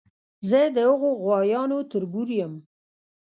زه د هغو غوایانو تربور یم.